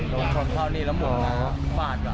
โดนชนเข้านี่และหมุนถึงควาดกัน